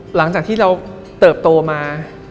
หลังจากที่เราเติบโตมา